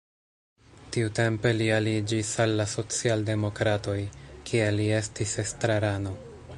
Tiutempe li aliĝis al la socialdemokratoj, kie li estis estrarano.